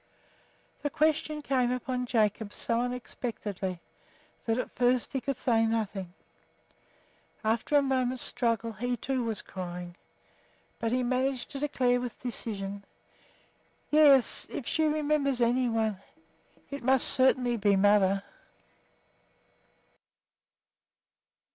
That question came upon Jacob so unexpectedly that at first he could say nothing. After a moment's struggle he, too, was crying; but he managed to declare with decision, "Yes; if she remembers any one, it certainly must be mother."